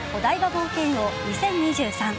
冒険王２０２３。